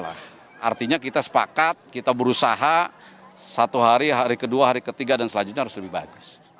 artinya kita sepakat kita berusaha satu hari hari kedua hari ketiga dan selanjutnya harus lebih bagus